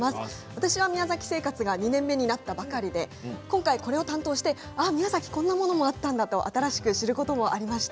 私は宮崎生活が２年目になったばかりで今回これを担当して宮崎、こんなものもあったんだと新しく知ることもありました。